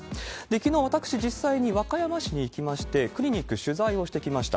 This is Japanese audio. きのう、私、実際に和歌山市に行きまして、クリニック、取材をしてきました。